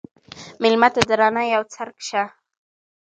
مېلمه ته د رڼا یو څرک شه.